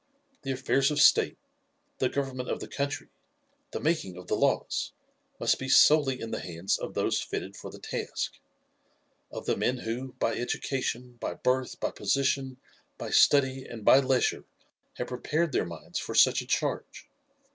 The affairs of state, the government of the country, the making of the laws, must be solely in the hands of those fitted for the task of the men who, by education, by birth, by position, by study and by leisure have prepared their minds for such a charge.